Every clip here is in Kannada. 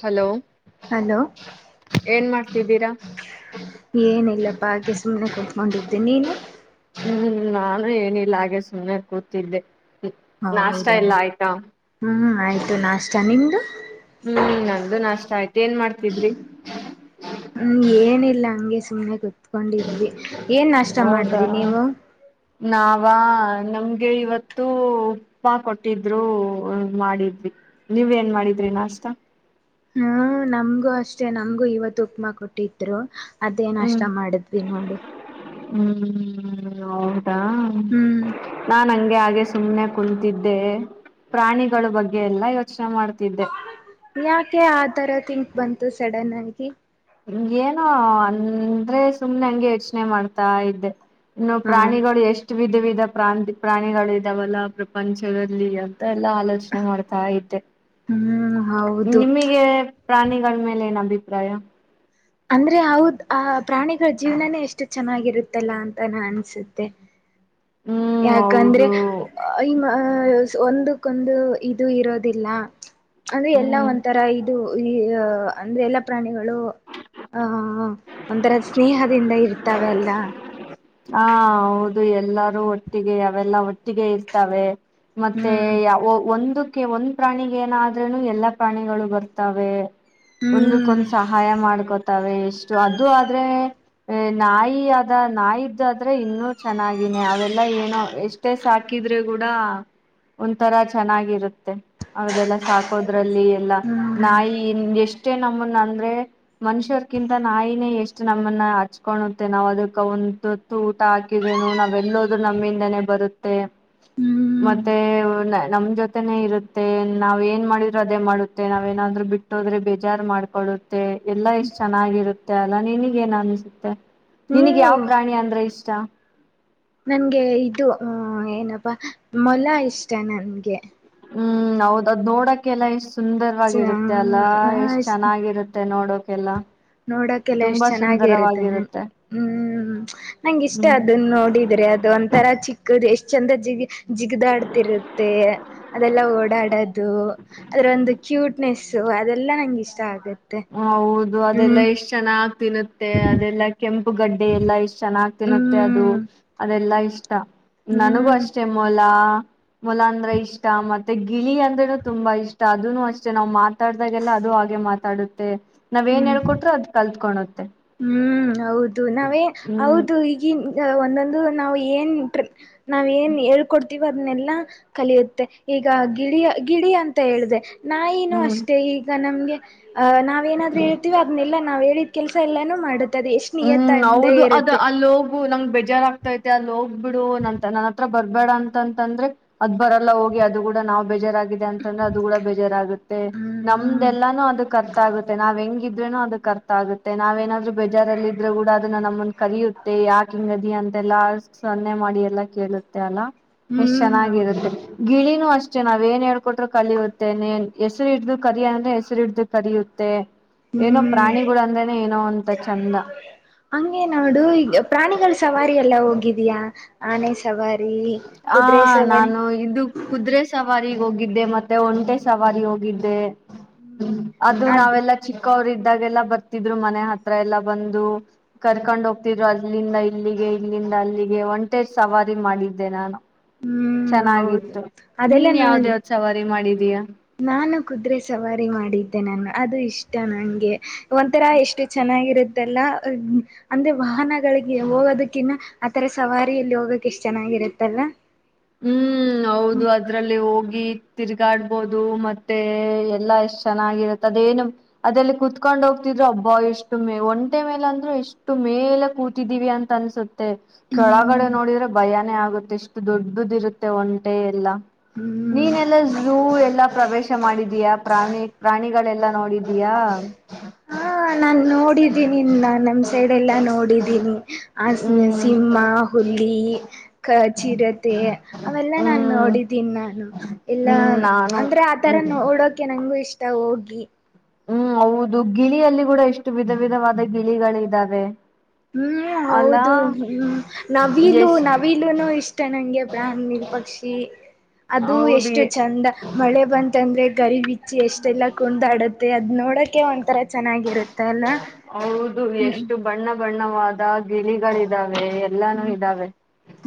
ಹಲೋ ಏನ್ ಮಾಡ ಏನಿಲ್ಲಪ್ಪ ಹಾಗೆ ಸುಮ್ನೆ ಕುಂತ್ಕೊಂಡಿದ್ದೆ ನೀನು ಹ್ಮ್ ನಾನು ಏನಿಲ್ಲ ಹಾಗೆ ಸುಮ್ಮ್ನೆ ಕುೂಡ್ತಿದ್ದೆ ನಾಷ್ಟ ಹೌದಾ ಎಲ್ಲ ಆಯ್ತಾ [inaudible] ಹ್ಮ್ ಆಯ್ತು ನಾಷ್ಟ ನಿಮ್ದು ಹ್ಮ್ ನಂದು ನಾಷ್ಟ ಆಯ್ತು ಏನ್ ಮಾಡ್ತಿದ್ರಿ ಹ್ಮ್ ಏನಿಲ್ಲ ಹಂಗೆ ಸುಮ್ನೆ ಕುೂತ್ಕೊಂಡಿದ್ವಿ ಏನ್ ನಷ್ಟ ಹೌದಾ ಮಾಡಿದ್ರಿ ನೀವು ನಾವ ನಮ್ಗೆ ಇವತ್ತು ಉಪ್ಮಾ ಕೊಟ್ಟಿದ್ರು ಮಾಡಿದ್ರಿ ನೀವೇನ್ ಮಾಡಿದ್ರಿ ನಾಷ್ಟ ಹ್ಮ ನಮ್ಗೂ ಅಷ್ಟೇ ನಮಗೂ ಇವತ್ತು ಉಪ್ಮಾ ಕೊಟ್ಟಿದ್ರು ಅದೇನು ಹ್ಮ್ ನಷ್ಟ ಮಾಡಿದ್ವಿ ನೋಡು ಹ್ಮ್ ಹೌದಾ ಹ್ಮ್ ನಾನ್ ಹಂಗೆ ಹಾಗೆ ಸುಮ್ನೆ ಕುಂತಿದ್ದೆ ಪ್ರಾಣಿಗಳ ಬಗ್ಗೆ ಎಲ್ಲ ಯೋಚನೆ ಮಾಡ್ತಿದ್ದೆ ಯಾಕೆ ಆ ತರ ತಿಂಕ್ ಬಂತು ಸಡನ್ ಆಗಿ ಹ ಏನೋ ಅಂದ್ರೆ ಸುಮ್ನೆ ಹಂಗೆ ಯೋಚನೆ ಮಾಡ್ತಾ ಇದ್ದೆ ಇನ್ನು ಹಾ ಪ್ರಾಣಿಗಳು ಎಷ್ಟು ವಿಧ ವಿಧ ಪ್ರಾಂತಿ ಪ್ರಾಣಿಗಳು ಇದಾವಲ್ಲ ಪ್ರಪಂಚದಲ್ಲಿ ಎಲ್ಲ ಆಲೋಚನೆ ಮಾಡ್ತಾ ಇದ್ದೆ ಹ್ಮ್ ಹೌದು ನಿಮಗೆ ಪ್ರಾಣಿಗಳ ಮೇಲೆ ನ್ ಅಭಿಪ್ರಾಯ ಅಂದ್ರೆ ಹದ್ ಆ ಪ್ರಾಣಿಗಳ ಜೀವನನೇ ಎಷ್ಟು ಚೆನ್ನಾಗಿರುತ್ತಲ್ಲ ಅಂತ ನಾ ಅನ್ಸುತ್ತೆ ಹ್ಮ್ ಯಾಕಂದ್ರೆ ಹೌದು ಈ [inaudible] ಒಂದಕ್ಕೊಂದು ಇದು ಇರೋದಿಲ್ಲ ಅಂದ್ರೆ ಎಲ್ಲಾ ಹ್ಮ್ ಒಂತರಾ ಇದು ಈ ಅಂದ್ರೆ ಎಲ್ಲಾ ಪ್ರಾಣಿಗಳು ಹ ಒಂಥರ ಸ್ನೇಹದಿಂದ ಇರ್ತಾವ ಅಲ್ಲ ಹಾ ಹೌದು ಎಲ್ಲಾರೂ ಒಟ್ಟಿಗೆ ಅವೆಲ್ಲ ಒಟ್ಟಿಗೆ ಇರ್ತವೆ ಮತ್ತೆ ಹ್ಮ್ ಒಂದು ಒಂದ್ ಪ್ರಾಣಿಗೆ ಏನಾದ್ರೂನು ಎಲ್ಲಾ ಪ್ರಾಣಿಗಳು ಬರ್ತವೆ ಹ್ಮ್ ಒಂದಕ್ಕೊಂದ್ ಸಹಾಯ ಮಾಡ್ಕೊ ಎಷ್ಟು ಅದು ಆದ್ರೆ ನಾಯಿ ಆದ ಆದ ನಾಯಿ ಇದಾದ್ರೆ ಇನ್ನೂ ಚೆನ್ನಾಗಿನೇ ಅವೆಲ್ಲ ಏನೋ ಎಷ್ಟೇ ಸಾಕಿದ್ರೆ ಕೂಡ ಒಂಥರಾ ಚೆನ್ನಾಗಿರುತ್ತೆ ಅವದೆಲ್ಲ ಸಾಕೋದ್ರ ಎಲ್ಲ ಹ್ಮ್ ನಾಯಿ ಎಷ್ಟೇ ನಮ್ಮನ್ನ ಅಂದ್ರೆ ಮನುಷ್ಯರ್ಕಿಂತ ನಾಯಿನೇ ಎಷ್ಟು ನಮ್ಮನ್ನ ಹಚ್ಕೊಳ್ಳುತ್ತೆ ನಾವವು ಅದಕ್ಕ ಒಂತ ಊಟ ಹಾಕಿದ್ರೇನು ನಾವೆಲ್ಲದು ನಮ್ಮಿಂದನೇ ಬರುತ್ತೆ ಹ್ಮ್ ಮತ್ತೆ ನಮ್ ಜೊತೆನೆ ಇರುತ್ತೆ ನಾವ್ ಏನ್ ಮಾಡಿದ್ರು ಅದೇ ಮಾಡುತ್ತೆ ನಾವೇನಾದ್ರು ಬಿಟ್ಟೋದ್ರೆ ಬೇಜಾರ್ ಮಾಡ್ಕೊಡುತ್ತೆ ಎಲ್ಲಾ ಎಷ್ಟ್ ಚೆನ್ನಾಗಿರುತ್ತೆ ಅಲ್ಲಾ ನಿನಗ ಏನ್ ಅನ್ಸುತ್ತೆ ನಿನಗೆ ಯಾವ ಹ್ಮ್ ಪ್ರಾಣಿ ಅಂದ್ರೆ ಇಷ್ಟ ನನ್ಗೆ ಇದು ಹ ಏನಪ್ಪಾ ಮೊಲ ಇಷ್ಟ ನನ್ಗೆ ಹ್ಮ್ ಹೌದ್ ಅದ್ ನೋಡಕ್ಕೆ ಎಲ್ಲ ಎಷ್ಟ್ ಸುಂದರವಾಗಿರುತ್ತೆ ಅಲ್ಲಾ ಎಷ್ಟ್ ಚೆನ್ನಾಗಿರುತ್ತೆ ನೋಡಕ್ ಎಲ್ಲ ನೋಡಕಲ್ಲ ಎಷ್ಟ್ ಚೆನ್ನಾಗಿ ಇರುತ್ತೆ ಹ್ಮ್ ನನಗೆ ಇಷ್ಟ ಹ್ಮ್ ಅದನ್ ನೋಡಿದ್ರಿ ಅದು ಒಂತರ ಚಿಕ್ಕದು ಎಷ್ಟ್ ಚಂದ ಜಿಗ ಜಿಗದಾಡ್ತಿರುತ್ತೆ ಅದೆಲ್ಲ ಓಡಾಡೋದು ಅದ್ರ ಒಂದು ಕ್ಯೂಟ್ನೆಸ್ ಸೊ ಅದೆಲ್ಲ ನಂಗೆ ಇಷ್ಟ ಆಗುತ್ತೆ ಹೌದು ಅದೆಲ್ಲಾ ಹ್ಮ್ ಎಷ್ಟ್ ಚನ ಆ ತಿನ್ನುತ್ತೆ ಅದೆಲ್ಲಾ ಕೆಂಪ ಉಪ್ಪುಗಡ್ಡೆ ಎಲ್ಲಾ ಇಷ್ಟು ಚೆನ್ನಾಗ್ ತಿನ್ತ್ತೆ ಅದು ಹ್ಮ್ ಅದೆಲ್ಲಾ ಇಷ್ಟ ನನಗೂ ಹ್ಮ್ ಅಷ್ಟೇ ಮೊಲ ಮಲ ಅಂದ್ರೆ ಇಷ್ಟ ಮತ್ತೆ ಗಿಳಿ ಅಂದ್ರನು ತುಂಬಾ ಇಷ್ಟ ಅದನು ಅಷ್ಟೇ ನಾ್ ಮಾತಾಡ್ದಾಗೆಲ್ಲ ದು ಹಾಗೆ ಮಾತಾಡುತ್ತೆ ನಾವ್ ಏನ್ ಹ್ಮ್ ಹೇಕೊಟ್ಟರು ಅದ್ ಕಲ್ತ್ಕೋುತ್ತೆ ಹ್ಮ್ ಹೌದು ನಾವೇ ಹ್ಮ್ ಹೌದು ಈಗ ಒಂದೊಂದು ನಾವು ಏನ್ ನಾವ್ ಏನ್ ಹ ಅತಿವದನೆೆಲ್ಲಾ ಕಲಿಯುತ್ತೆ ಈಗ ಗಿಳಿಯ ಗಿಳ ಅಂತ ಹೇಳಿದೆ ನಾ ಏನು ಹ್ಮ್ ಅಷ್ಟೇ ಈಗ ನಮ್ಗೆ ಅಹ್ ನಾವೇಏನಾದ್ ಹೇಳ್ತೀವ ಅದನ್ನೆಲ್ಲ ನಾವ್ ಹೇಳಿದ್ ಕೆಲ್ಸ ಎಲ್ಲಾನು ಮಾಡುತ್ತದೆ ಎಷ್ಟು ನಿಯ ತಂದೇ ಇರುತ್ತೆ ನಮ್ಗೆ ಬೇಜಾರ್ ಆಗ್ತೈತೆ ಅಲ್ಲಿ ಹೋಗ್ಬಿಡು ನ ನನ್ನ ಹತ್ರ ಬರ್ಬೇಡ ಅಂತಂತಂದ್ರೆ ಅದ ಬರಲ್ಲ ಹೋಗ ಅದು ಕೂಡ ನಾವು ಬೇಜಾರಾಗಿ ಅಂತಂದ್ರೆ ಅದು ಕೂಡ ಬೇಜಾರಾಗುತ್ತೆ ಹ್ಮ್ ನಮ್ದೆಲ್ಲಾನು ಅದು ಕರ್ತ ಆಗುತ್ತೆ ನಾವ್ ಹೆಂಗ ಇದ್ರೆನು ಅದಕ್ ಅರ್ ಆಗೆ ನಾವೇನಾದರೂ ಬೇಜಾರಾಗಿದ್ರೆ ಬಜಾರಲ್ಲ ಇದ್ರರು ಕೂಡ ಅದನ್ನ ನಮ್ಮನ್ ಕರಿೆಯುತ್ತೆ ಯಾಕ ಹಿಂಗದಿ ಅಂತೆಲ್ಲಾ ಸನ್ನೆ ಮಾಡಿ ಎಲ್ಲ ಕೇಳುತ್ತೆ ಅಲ್ಲ ಎಷ್ಟ್ ಹ್ಮ್ ಹೌದು ಚೆನ್ನಾಗಿರುತ್ತೆ ಗಿಳಿನೂ ಅಷ್ಟ ಅಷ್ಟೇ ನಾವ್ ಏನ್ ಹೇಳ್ಟ್ರರು ಕಲಿಯುತ್ತೇನೆನ್ ಹೆಸರು ಹಿಡ್ದು ಕರಿ ಅಂದ್ರೆ ಹೆಸರು ಹಡ್ದು ಕರಿಿಯುತ್ತೆ ಏನೋ ಪ್ರಾಣಿಗಳು ಅಂದ್ರನನೆ ಏನೋ ಅಂತ ಚಂದ ಹಂಗೇ ನೋಡು ಈಗ ಪ್ರಾಣಿಗಳ ಸವಾರಿ ಎಲ್ಲ ಹೋಗಿದಯಾ ಆನೆ ಸವಾರಿ ಆ ಕುದುರೆ ಸವಾರಿ ನಾನು ಇದು ಕುದುರೆೆ ಸವಾರಿ ಹೋಗಿದ್ದೆ ಮತ್ತೆ ಒಂಟೆ ಸವಾರಿ ಹೋಗಿದ್ದೆ ಅದು ಅದ್ ನಾವೆಲ್ಲ ಚಿಕ್ಕವರ ಇದಾಗೆಲ್ಲಾ ಬರ್ತಿದ್ರು ಮನೆ ಹತ್ರ ಎಲ್ಲಾ ಬಂದು ಕರ್ಕೊಂಡ್ ಹೋಗ್ತಿದ್ರು ಅಲ್ಲಿಂದ ಇಲ್ಲಿಗೆ ಇಲ್ಲಿಂದ ಅಲ್ಲಿಗೆ ಒಂಟೆ ಸವಾರಿ ಮಾಡಿದ್ದ ನಾನು ಹ್ಮ್ ಹೌದು ಚೆನ್ನಾಗಿತ್ತು ಅದೆಲ್ಲ ನೀನ್ ನೋಡಿ ಯಾವ್ದೇ ಸವಾರಿ ಮಾಡಿದೀಯಾ ನಾನು ಕುದುರೆೆ ಸವಾರಿ ಮಾಡಿದ್ದೆ ನಾನು ಅದು ಇಷ್ಟ ನಂಗೆ ಒಂಥರಾ ಎಷ್ಟು ಚೆನ್ನಾಗಿರುತ್ತಲ್ಲ ಅಂದ್ರೆ ವಾಹನಗಳಿಗೆ ಹೋಗೋದಕ್ಕಿನ್ನ ಆತರ ಸವಾರಿಯಲ್ಲಿ ಹೋಗಕ ಎಷ್ಟ್ ಚೆನ್ನಾಗಿರುತ್ತಲ್ ಹ್ಮ್ ಹೌದು ಅದ್ರಲ್ಲಿ ಹೋಗಿ ತಿರ್ಗಾಡ್ಬೋದು ಮತ್ತೆ ಎಲ್ಲಾ ಎಷ್ಟ್ ಚೆನ್ನಾಗಿರುತ್ತೆ ಅದೇಏನು ಅದೆಲ್ಲಿ ಕುೂತ್ಕೊಂಡ್ ಹೋಗ್ತ ಒಬ್ಬ ಎಷ್ಟು ಮೇ ಒಂಟೆ ಮೇಲೆ ಅಂದ್ರು ಇಷ್ಟು ಮೇಲೆ ಕೂತಿದೀವಿ ಅಂತ ಅನ್ಸುತ್ತೆ ಕೆ ಹೊಳಗಡೆ ಹ್ಮ್ ನೋಡಿದ್ರೆ ಭಯಾನೇ ಆಗುತ್ತೆ ಎಷ್ಟು ದೊಡ್ಡದ ಇರುತ್ತೆ ಒಂಟೆ ಎಲ್ಲ ಹ್ಮ್ ನೀನೆಲ್ಲಾ ಝೂ ಎಲ್ಲಾ ಪ್ರವೇಶ ಮಾಡಿದೀಯಾ ಪ್ರಾಣಿ ಪ್ರಾಣಿಗಳೆಲ್ಲಾ ನೋಡಿದೀಯಾ ಹಾ ನನ್ ನೋಡಿದ್ದೀನಿ ನಾ ನಮ ಸೈಡ್ ಎಲ್ಲಾ ನೋಡಿದ್ದೀನಿ ಆ ಹ್ಮ್ ಸಿಂಹ ಹುಲಿ ಕ ಚಿರತೆ ಅವೆಲ್ಲ ನಾನು ಹ್ಮ್ ನೋಡಿದೀನಿ ನಾನು ಎಲ್ಲಾ ಹ್ಮ್ ನಾನು ಅಂದ್ರೆ ಆತರ ಹ್ಮ್ ನೋಡೋಕೆ ನಂಗಗು ಇಷ್ಟ ಹೋಗಿ ಹ್ಮ್ ಹೌದು ಗಿಳಿಯಲ್ಲಿ ಕೂಡ ಎಷ್ಟು ವಿಧ ವಿಧವಾದ ಗಿಳಿಗಳು ಇದಾವೆ ಹ್ಮ್ ಹೌದು ಹ್ಮ್ ನವಿಲು ಎಷ್ಟ ನವಿಲುನು ಇಷ್ಟ ನಂಗೆ ಪ್ರಾಣಿಲಿ ಪಕ್ಷಿ ಅದು ಹೌದು ಎಷ್ಟು ಚಂದ ಮಳೆ ಬಂತ ಅಂದ್ರೆ ಗರಿಬ ಬಿಚ್ಚಿ ಎಷ್ಟೆಲ್ಲ ಕುೊಂಡಾಡುತ್ತೆ ಅದ ನೋಡಕೆ ಒಂಥರ ಚೆನ್ನಾಗಿರುತ್ತ ಅಲ್ಲ ಹ್ಮ್ ವಿಧವಿದ ಗಿಳಿಗಳಿದ್ದಾವೆ ಎಲ್ಲಾನು ಹ್ಮ್ ಇದ್ದಾವೆ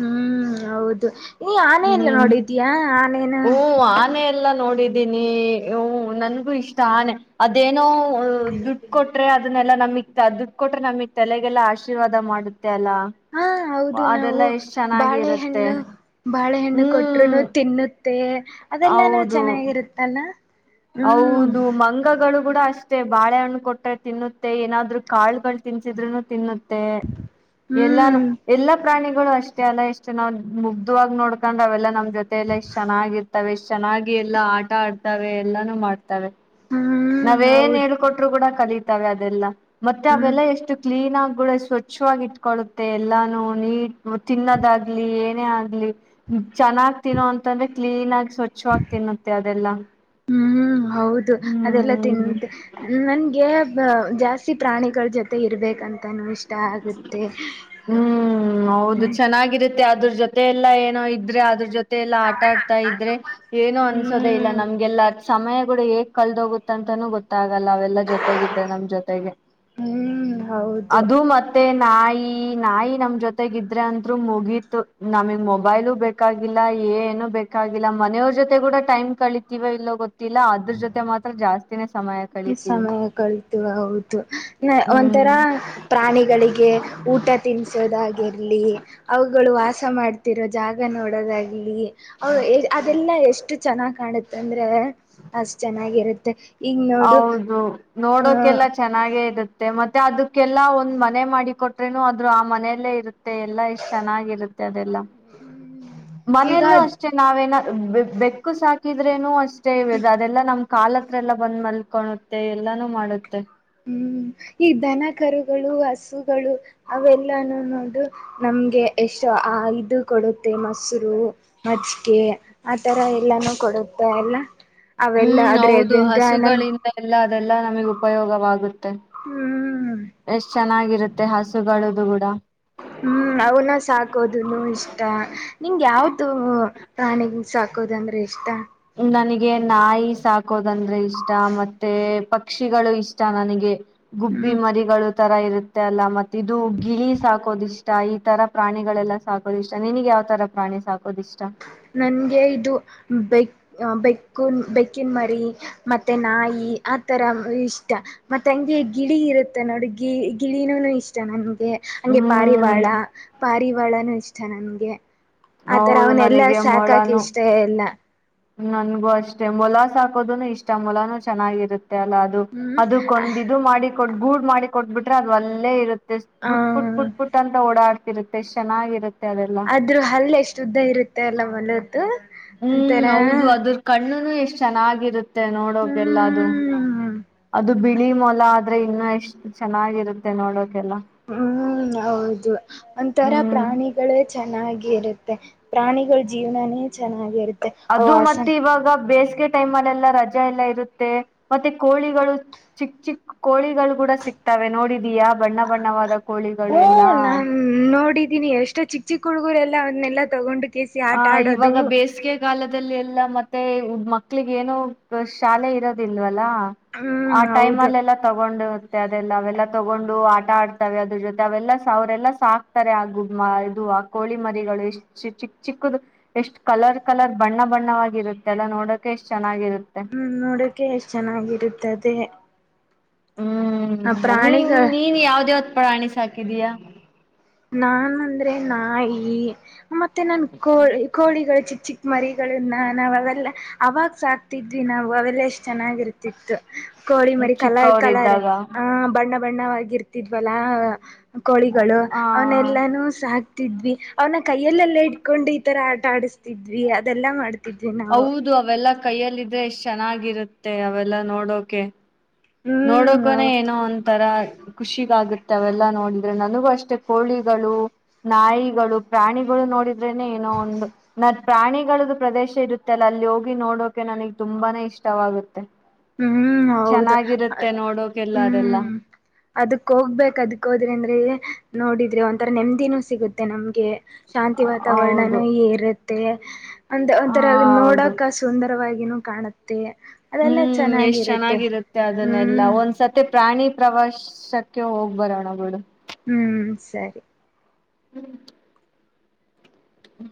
ಹ್ಮ್ ಹೌದು ನೀ ಆನೆ ಎಲ್ಲ ಹ್ಮ್ ನೋಡಿದೀಯಾ ಆನೇನ ಹ್ಮ್ ಆನೆ ಎಲ್ಲಾ ನೋಡಿದ್ದೀನಿ ಹ್ ನನ್ಗೂ ಇಷ್ಟ ಆನೆ ಅದೇನ್ ಏನೋ ದುಡ್ ಕೊಟ್ರೆ ಅದನ್ನೆಲ್ಲಾ ನಮಗ್ ದುಡ್ಡು ಕೊಟ್ರೆ ನಮಗ್ ತಲೆಗೆಲ್ಲಾ ಆಶೀರ್ವಾದ ಮಾಡುತ್ತೆ ತಲ್ಲ ಹಾ ಹೌದು ನಾವು ಬಾಳೆಹಣ್ಣು ಬಾಳೆಹಣ್ಣು ಹ್ಮ್ ಕೊಟ್ಟರು ತಿನ್ನುತ್ತೆ ಅದೆಲ್ಲಾನು ಹೌದು ಚೆನ್ನಾಗಿರುತ್ತಲ್ಲ ಹ್ಮ್ ಹೌದು ಮಂಗಗಳು [unintelligible] ಬುಟ್ ಬುಡು ಅಷ್ಟೇ ಬಾಳೆಹಣ್ಣು ಕೊಟ್ಟರೆ ತಿನ್ನುತ್ತೆ ಏನಾದ್ರು ಕಾಳುಗಳು ತಿಳ್ಸಿದ್ರಿ ತಿನ್ನು -ತ್ತೆ ಎಲ್ಲಾನು ಹ್ಮ್ ಎಲ್ಲಾ ಪ್ರಾಣಿ ಗಳು ಅಷ್ಟೇ ಅಲ್ಲ ಎಷ್ಟು ನೋಡ ಮುಗ್ಧವಾಗಿ ನೋಡ್ಕೊಂಡರೇ ಅವೆಲ್ಲ ನಮ್ಮ ಜೊತ ಎಲ್ಲೇ ಎಷ್ಟ ಚೆನ್ನಾಗಿತ್ತು ಅವ ಎಷ್ಟ ಚೆನ್ನಾಗಿ ಎಲ್ಲಾ ಆಟ ಆಡ್ತವೆ ಎಲ್ಲಾನೂ ಮಾಡ್ತವೆ. ಹ್ಮ್ ನಾವೇನ್ ಹೌದು ಹೇಳ್ಕೊಟ್ರು ಕೂಡ ಕಲಿತಾವೆ ಅದೆಲ್ಲ ಮತ್ತೆ ಹ್ಮ್ ಅವೆಲ್ಲ ಎಷ್ಟು ಕ್ಲೀನ್ ಆಗ ಗಳು ಸ್ವಚ್ಛವಾಗಿ ಇಟ್ಕೊಳ್ಳುತ್ತೆ ಎಲ್ಲಾನು ನೀಟ್ ತಿನ್ನದಾಗ್ಲಿ ಏನೇ ಆಗ್ಲಿ. ಚೆನ್ನಾಗಿ ತಿನ್ನೋ ಅಂತಂದ್ರೆ ಕ್ಲೀನ್ ಆಗಿ ಸ್ವಚ್ಛವಾಗಿ ತಿನ್ನತ್ತೆ ಅದ ಎಲ್ಲಾ ಹೂ ಹೌದು ಅದೆಲ್ಲ ತಿನ್ನುತ್ತೆ ನನಗೆ ಜಾಸ್ತಿ ಪ್ರಾಣಿಗಳ ಜೊತೆ [unintelligible] ತೆ ಇರ್ಬೇಕಂತನೂ ಇಷ್ಟ ಆಗುತ್ತೆ ಹ್ಮ್ ಹು [unintelligible] ಮುಂದೆ ಎಲ್ಲ ಏನೋ ಇದ್ರೆ ಅದ್ರ ಜೊತೆ [unintelligible] ಎಲ್ಲ ಆಟ ಆಡ್ತಾ ಇದ್ರೆ ಏನು ಅನ್ಸೋದೇ ಇಲ್ಲ ಹ್ಮ್ ನಮಗೆ ಎಲ್ಲಾ ಸಮಯ ಕೂಡ ಹೇಗ್ ಕಳೆದ ಹೋಗುತ್ತೆ ಅಂತ ಗೊತ್ತಾಗಲ್ಲ ಅವೆಲ್ಲಾ ಜೊತೆಗಿದ್ದ ನಮ್ಮ ಜೊತೆಗೆ ಹ್ಮ್ ಹೌದು ಅದು ಮತ್ತೆ ತ್ತೆ ನಾಯಿ ನಾಯಿ ನಮ್ಮ ಜೊತೆಗ ಇದ್ರೆ ಅಂತ್ರು ಮುಗೀತು ನಮಗೆ ಮೊಬೈಲು ಬೇಕಾಗಿಲ್ಲ. ಅ ಏನು ಬೇಕಾಗಿಲ್ಲ ಮನೆ ಅವರ ಜೊತೆ ಕೂಡ ಟೈಮ್ ಕಳಿತೀವ ಇಲ್ಲೋ ಗೊತ್ತಿಲ್ಲ ಅದರ ಜೊತೆ ಮಾತ್ರ ಜಾಸ್ತಿನೇ [unintelligible] ಈ ಕಳಿತೀವಿ ಸಮಯ ಕಳಿತೀವಿ ಹೌದು? [unintelligible] ಒಂಥರಾ ಹ್ಮ್ ಪ್ರಾಣಿಗಳಿಗೆ ಊಟ ತಿನ್ಸೋದಾಗಿರ್ಲಿ ಅವುಗಳು ವಾಸ ಮಾಡ [unintelligible] ಕೂತಿರು ಜಾಗ ನೋಡೋದಾಗ್ಲಿ ಅವ ಏಜ್ ಅದೆಲ್ಲ ಎಷ್ಟು? [unintelligible] ಚೆನ್ನಾಗ ಕಾಣುತ್ತೆ ಅಂದ್ರೆ ಅಷ್ಟ ಚೆನ್ನಾಗಿರುತ್ತೆ ಈಗ [unintelligible] ಹೌದು ಅಹ ನೋಡೋಕೆಲ್ಲಾ ಚೆನ್ನಾಗಿ ಇರುತ್ತೆ ಮತ್ತೆ ಅದಕ್ಕೆಲ್ಲಾ ಒಂದ್ ಮನೆ ಮಾಡಿ ಕೊಟ್ರೇನು ಆದ್ರರು ಆ ಮನೆಯಲ್ಲೇ ಇರುತ್ತೆ. [unintelligible] ತೆ ಎಲ್ಲಾ ಇಷ್ಟ ಚೆನ್ನಾಗಿರುತ್ತೆ ಅದೆಲ್ಲ ಈಗ ಮನೆಯಲ್ಲೂ ಅಷ್ಟೇ ನಾವೇನ ಬೇ ಬೆಕ್ಕು ಸಾಕಿದ್ರೇನು ಅಷ್ಟೇ ಅದೆಲ್ಲಾ ನಮ್ಮ ಕಾಲ ಹತ್ರ ಎಲ್ಲ [unintelligible] ಬಂದ್ ಮಲ್ಕೊಳ್ಳುತ್ತೆ ಎಲ್ಲಾನು ಮಾಡುತ್ತೆ. ಹ್ಮ್ ಈ ದನ ಕರುಗಳು ಹಸುಗಳು ಅವೆಲ್ಲಾ ನೋಡು ನಮ್ಗೆ ಎಷ್ಟ [unintelligible] ಆ ಇದು ಕೊಡುತ್ತೆ ಮೊಸರು ಮಜ್ಜಿಗೆ ಆ ತರ ಎಲ್ಲಾನೂ ಕೊಡುತ್ತ ಅಲ್ಲ ಹೂ ಅವೆಲ್ಲ ಆದ್ರೆ ಹೌದು ಅದ್ರಿಂದ ನಮ್ ಹಸುಗಳಿಂದ ಎಲ್ಲಾ? ಲ್ಲ ನಮಗೆ ಉಪಯೋಗವಾಗುತ್ತೆ ಹ್ಮ್ ಎಷ್ಟ ಚೆನ್ನಾಗಿ ಇರುತ್ತೆ ಹಸುಗಳದು ಗೂಡ [unintelligible] ಹೂ ಅವನ ಸಾಕೋದು ಇಷ್ಟ ನಿಂಗ ಯಾವದು ಪ್ರಾಣಿಗ ಸಾ [unintelligible] ಸಾಕೋದಂದ್ರೆ ಇಷ್ಟ. [unintelligible] ನನಗೆ ನಾಯಿ ಸಾಕೋದಂದ್ರೆ ಇಷ್ಟ ಮತ್ತೆ ಪಕ್ಷಿಗಳು ಇಷ್ಟ ನನಗೆ ಗುಬ್ಬಿ ಹ್ಮ್ ಮರಿಗಳು ತರ ಇರುತ್ತೆ ಅಲ್ಲ ಮತ್ತೆ ಇದು ಗಿಳಿ ಸಾಕೋದ ಇಷ್ಟ ಇ ಇತರ ಪ್ರಾಣಿಗಳೆಲ್ಲ ಸಾಕೋದು ಇಷ್ಟ ನಿನಗೆ ಯಾವ ತರ ಪ್ರಾಣಿ ಸಾಕ ನನಗೆ ಇದು ಬೆಕ್ ಬೆಕ್ಕು ಬೆಕ್ಕಿನ ಮರಿ ಮತ್ತೆ ನಾಯಿ ಆತರ ಇಷ್ಟ ಮತ್ತೆ ಅಗ [unintelligible] ಈ ಗಿಳಿ ಇರುತ್ತೆ ನೋಡಿ ಗಿ ಗಿಳಿನೂ ಇಷ್ಟ ನಂಗ್ [unintelligible] ಹಂಗೆ ಪಾರಿವಾಳ ಹ್ಮ್ ಪಾರಿವಾಳನೂ ಇಷ್ಟ ನಂಗೆ. [unintelligible] ಹೌದು ನನಗೆ ನಂಗ್ ಸಾಕಕ್ ಇಷ್ಟ ಇಲ್ಲ. [unintelligible] ನನಗೂ ಅಷ್ಟೇ ಮೊಲ ಸಾಕೋದನು ಇಷ್ಟ ಮೊಲಾನೂ ಚೆನ್ನಾಗಿರುತ್ತೆ. [unintelligible] ಎಲ್ಲಾದು ಹ್ಞೂ ಅದಕ್ಕ ಒಂದ ಇದು ಮಾಡಿಕೊಟ್ ಗೂಡ ಮಾಡಿ ಕೊಟ್ಬಿಟ್ರೆ ಅದು ಅಲ್ಲೇ ಇರುತ್ತೆ. [unintelligible] ಪುಟ್ ಪುಟ್ ಪುಟ್ ಅಂತ ಓಡಾಡ್ತಿರುತ್ತೆ ಚೆನ್ನಾಗಿರುತ್ತೆ. ಅದೆಲ್ಲ ಆದರ ಹಲ್ಲ ಎಷ್ಟು ಉದ್ದ ಇರುತ್ತೆ ಅಲ್ಲ ಮೊಲದು [unintelligible] ಹೂ ಹೌದು ಅದರ ಕಣ್ಣುನು ಎಷ್ಟ ಚೆನ್ನಾಗಿರುತ್ತೆ ನೋಡೋಕ ಎಲ್ಲದು ಹ್ಮ್ [unintelligible] ಅದು ಬಿಳಿ ಮೊಲ ಆದ್ರೆ ಇನ್ನು ಎಷ್ಟು ಚೆನ್ನಾಗಿರುತ್ತೆ ನೋಡೋದು ಹೂ ಹೌದು ಒಂಥರ ಹ್ಮ್ ಪ್ರಾಣಿಗಳೇ ಚೆನ್ನಾಗಿ ಇರುತ್ತೆ. [unintelligible] ಪ್ರಾಣಿಗಳ ಜೀವನಾ ನೇ ಚೆನ್ನಾಗಿರುತ್ತೆ. [unintelligible] ಅದು ವಾಸ ಮತ್ತೆ ಇವಾಗ ಬೇಸ ಟೈಮ್ ಅಲ್ಲ ಎಲ್ಲ ರಜಾ ಎಲ್ಲ ಇರುತ್ತೆ ಮತ್ತೆ ಕೋಳಿಗಳು ಚಿಕ್ ಚಿಕ್ಕ ಕೋಳಿಗಳು ಕೂಡ ಸಿ ತವೆ ನೋಡಿದೀಯಾ ಬಣ್ಣ ಬಣ್ಣವಾದ ಓ ಕೋಳಿಗಳು ಎಲ್ಲಾ ನನ್ ನೋಡಿದ್ದ ಇದೀ ಎಷ್ಟ ಚಿಕ್ಕ ಚಿಕ್ಕ ಹುಡುಗುರೆಲ್ಲ ಅವನ್ನಲ್ಲ ತಗೊಂಡು ಕೇಸಿ ಹ ಆಟ ಆಡೋದು ಇವಾಗ ಬೇಸಿಗೆ ಕಾಲದಲ್ಲಿ ಎಲ್ಲ ಲ್ಲ ಮತ್ತೆ ಮಕ್ಳಿಗೆ ಏನೋ ಶಾಲೆ ಇರೋದಿಲ್ವ ಆ ಹ್ಮ್ ಟೈಮ್ ಹೌದು ಅಲ್ಲ ಎಲ್ಲ ತಗೊಂಡು ಮತ್ತೆ ಅದೆಲ್ಲ ಅವೆಲ್ಲ ತಗೊಂಡು ಆಟ ಆಡ್ತಾವವೆ ಅದ್ರ ಜೊತೆ ಅವೆಲ್ಲ ಅವರೆಲ್ಲಾ ಸಾಕ್ತಾರೆ ಆ ಗುಬ್ ಇದು ಕೋಳಿ ಮರಿಗಳು ಚಿಕ್ಕ ಚಿಕ್ಕದು ಎಷ್ಟು ಕಲರ್ ಕಲರ್ ಬಣ್ಣ ಬಣ್ಣವಾಗಿರುತ್ತೆ ಎಲ್ಲ ನೋಡೋಕೆ ಎಷ್ಟ ಹ್ಮ್ ನೋಡಕೆ ಎಷ್ಟ್ ಚೆನ್ನಾಗಿರುತ್ತದೆ ಆ ಹ್ಮ್ ನೀನ್ ಪ್ರಾಣಿಗಳ ನೀನ್ ಯಾವ್ದೇ ಪ್ರಾಣಿ ಸಾಕಿದಿಯಾ ನಾನ ಅಂದ್ರೆ ನಾಯಿ ಮತ್ತೆ ನನ್ ಕೋಳಿ ಕೋಳಿಗಳು ಚಿ ಚಿ ಮರಿಗಳನ್ನ ನಾವ ಅವೆಲ್ಲ ಅವಾಗ ಸಾಕ್ತಿದ್ವಿ ನಾವು ಅವೆಲ್ಲ ಎಷ್ಟ್ ಚೆನ್ನಾಗಿರ್ತಿತ್ತು ಕೋಳಿ ಮರಿ ಕಲರ್ ಚಿಕ್ಕವರ ಕಲಾರ ಇದ್ದಾಗ ಆ ಬಣ್ಣ ಬಣ್ಣವಾಗಿರ್ತಿದ್ವಲ್ಲ ಕೋಳಿಗಳು ಆ ಅವನೆಲ್ಲಾನೂ ಸಾಕ್ ಅವ್ನ ಕೈಯಲ್ಲೆಲ್ಲಾ ಇಟ್ಕೊಂಡು ಈ ತರ ಆಟ ಆಡಸ್ತಿದ್ವಿ ಅದೆಲ್ಲಾ ಮಾಡ್ ಹೌದು ಅವೆಲ್ಲಾ ಕೈಯಲ್ಲಿದ್ರೆ ಎಷ್ಟ್ ಚೆನ್ನಾಗಿರುತ್ತೆ ಅವೆಲ್ಲಾ ನೋಡೋಕೆ ನೋಡಕನ ಹ್ಮ್ ಏನೋ ಒಂತರ ಖುಷಿಗಾಗುತ್ತೆ ಅವೆಲ್ಲಾ ನೋಡಿದ್ರೆ ನನಗೂ ಅಷ್ಟೇ ಕೋಳಿಗಳು ನಾಯಿಗಳು ಪ್ರಾಣಿಗಳು ನೋಡಿದ ಏನೋ ಒಂದು ನನ್ನ ಪ್ರಾಣಿಗಳ್ದ ಪ್ರದೇಶ ಇರುತ್ತೆ ಅಲ್ಲ ಅಲ್ಲಿ ಹೋಗಿ ನೋಡೋಕೆ ನನಗ್ ತುಂಬಾನೇ ಇಷ್ಟವಾಗುತ್ತೆ ಹ್ಮ್ ಹೌದು ಚೆನ್ನಾಗಿರುತ್ತೆ ನೋಡೋಕೆಲ್ಲ ಅದೆಲ್ಲ ಹ್ಮ್ ಅದಕ್ ಹೋಗ್ಬೇಕ ಅದಕ್ ಹೋದ್ರೆ ಅಂದ್ರೆ ನೋಡಿದ್ರೆ ಒಂಥರ ನೆಮ್ಮದಿನೂ ಸಿಗುತ್ತೆ ನಮ್ಗೆ ಶಾಂತಿ ಹೌದು ವಾತಾವರಣನೂ ಇರು ಒ ಹ ಒಂಥರ ಹೌದು ನೋಡಕ ಸುಂದರವಾಗಿನೂ ಕಾಣುತ್ತೆ ಅದೆಲ್ಲ ಹ್ಮ್ ಎಷ್ಟ್ ಚೆನ್ನಾಗಿರುತ್ತೆ ಅದನ್ನೆಲ್ಲಾ ಹ್ಮ್ ಒಂದ್ಸತಿ ಪ್ರಾಣಿ ಪ್ರವಾಸಕ್ಕೆ ಹೋಗ್ ಬರೋಣ ಬಿಡು ಹ್ಮ್ ಸರಿ ಹ್ಮ್ ಹ್ಮ